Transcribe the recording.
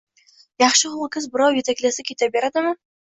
Yaxshi ho‘kiz birov yetaklasa keta beradimi